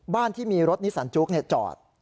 ที่มีรถนิสันจุ๊กจอด